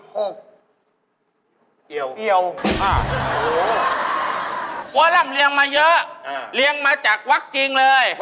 เฮ้ยแล้วพอมาอยู่เมืองไทย